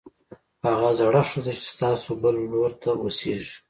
هغه زړه ښځه چې ستاسو بل لور ته اوسېږي